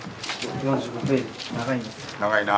長いな。